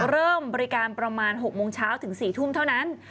เริ่มบริการประมาณ๖โมงเช้าถึง๔ทุ่มเท่านั้น